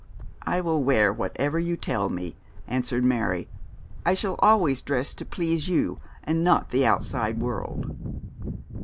'I will wear whatever you tell me,' answered Mary. 'I shall always dress to please you, and not the outside world.'